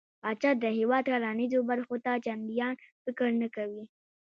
پاچا د هيواد کرنېزو برخو ته چنديان فکر نه کوي .